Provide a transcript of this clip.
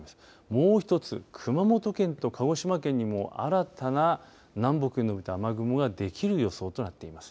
もう一つ、熊本県と鹿児島県にも新たな南北に伸びた雨雲ができる予想となっています。